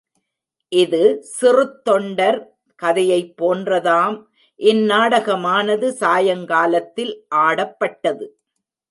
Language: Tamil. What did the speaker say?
இது சிறுத்தொண்டர் கதையைப் போன்றதாம் இந்நாடகமானது சாயங்காலத்தில் ஆடப்பட்டது.